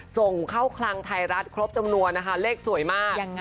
ส่งเข้าคลังไทยรัฐครบจำนวนนะคะเลขสวยมาก